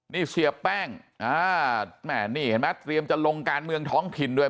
นี่เสียแป้งนี่เห็นไหมเตรียมจะลงการเมืองท้องถิ่นด้วย